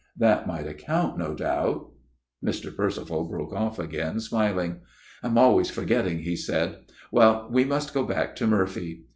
That might account no doubt " Mr. Percival broke off again, smiling. " I am always forgetting," he said. " Well, we must go back to Murphy.